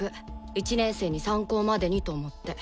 １年生に参考までにと思って。